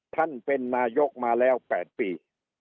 ท่านเป็นนายกมาแล้ว๘ปี